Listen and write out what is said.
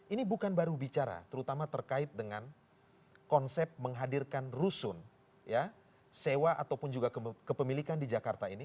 ini bukan baru bicara terutama terkait dengan konsep menghadirkan rusun sewa ataupun juga kepemilikan di jakarta ini